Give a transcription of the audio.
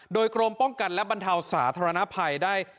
โดยกรมป้องกันและบรรเทาสาธารณภัยได้